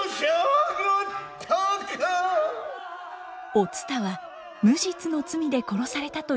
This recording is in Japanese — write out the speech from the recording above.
お蔦は無実の罪で殺されたというのです。